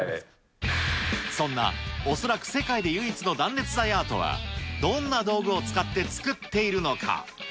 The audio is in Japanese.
そんな恐らく世界で唯一の断熱材アートは、どんな道具を使って作っているのか。